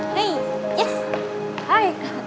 hai yes hai